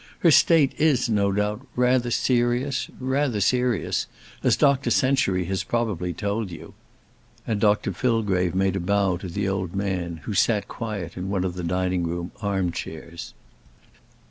Her state is, no doubt, rather serious rather serious as Dr Century has probably told you;" and Dr Fillgrave made a bow to the old man, who sat quiet in one of the dining room arm chairs.